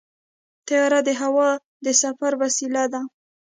طیاره د هوا د سفر وسیله ده.